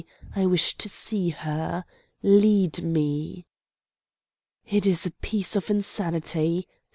I wish to see her! Lead me!" "It is a piece of insanity!"